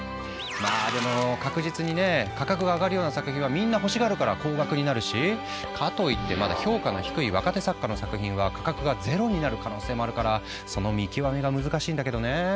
まあでも確実にね価格が上がるような作品はみんな欲しがるから高額になるしかといってまだ評価の低い若手作家の作品は価格がゼロになる可能性もあるからその見極めが難しいんだけどね。